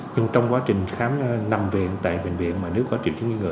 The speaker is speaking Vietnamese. nhưng trong quá trình khám nằm viện tại bệnh viện mà nếu có triệu chứng nghi ngờ